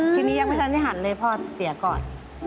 ทีนี้ยังไม่ใช่อธิษฐานเลยพ่อเตี๋ยวก่อน